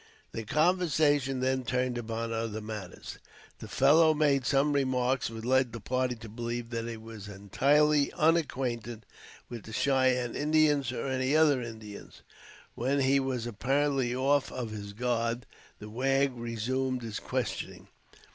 The conversation then turned upon other matters. The fellow made some remarks which led the party to believe that he was entirely unacquainted with the Cheyenne Indians, or any other Indians. When he was apparently off of his guard, the wag resumed his questioning.